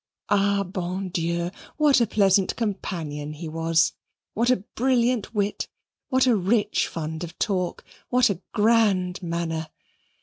Ah, bon Dieu, what a pleasant companion he was, what a brilliant wit, what a rich fund of talk, what a grand manner!